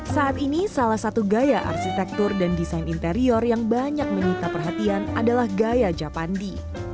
saat ini salah satu gaya arsitektur dan desain interior yang banyak menyita perhatian adalah gaya japandi